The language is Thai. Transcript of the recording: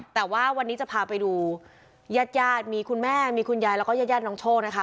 แต่ว่าวันนี้จะพาไปดูญาติญาติมีคุณแม่มีคุณยายแล้วก็ญาติญาติน้องโชคนะคะ